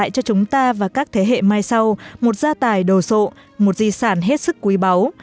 cho chúng ta và các thế hệ mai sau một gia tài đồ sộ một di sản hết sức quý báu